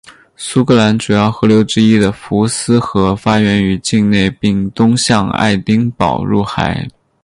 苏格兰主要河流之一的福斯河发源于境内并东向爱丁堡入海。